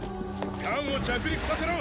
艦を着陸させろ！